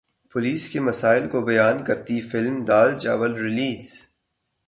police کے مسائل کو بیان کرتی فلم دال چاول ریلیز